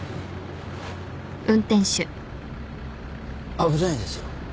危ないですよ。